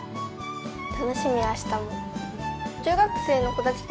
楽しみあしたも。